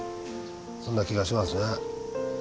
そんな気がしますね。